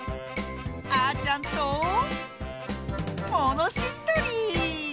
あーちゃんとものしりとり！